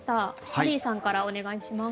ハリーさんからお願いします。